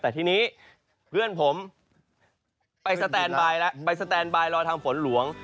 แต่ทีนี้เพื่อนผมไปสแตนบายแล้วไปสแตนบายรอทางฝนหลวง